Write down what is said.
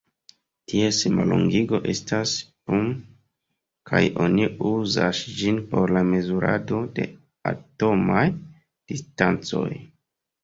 Ties mallongigo estas pm kaj oni uzas ĝin por la mezurado de atomaj distancoj.